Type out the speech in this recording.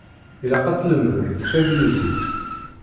Ilaq ad tlemdemt taglizit.